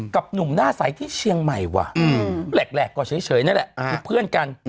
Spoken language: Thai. หนุ่มหน้าใสที่เชียงใหม่ว่ะแหลกก็เฉยนั่นแหละคือเพื่อนกัน